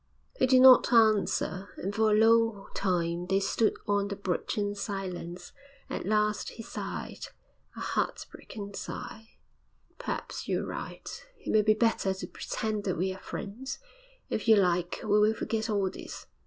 He did not answer, and for a long time they stood on the bridge in silence. At last he sighed a heartbroken sigh. 'Perhaps you're right. It may be better to pretend that we are friends. If you like, we will forget all this.'